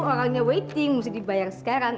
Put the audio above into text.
orangnya waiting mesti dibayar sekarang